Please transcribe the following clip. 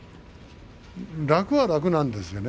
楽は楽なんですよね。